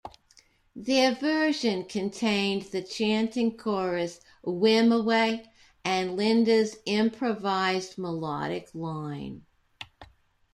Their version contained the chanting chorus "Wimoweh" and Linda's improvised melodic line.